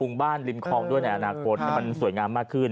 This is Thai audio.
บ้านริมคลองด้วยในอนาคตให้มันสวยงามมากขึ้น